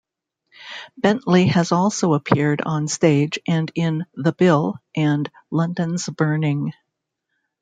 Bentley has also appeared on stage and in "The Bill" and "London's Burning".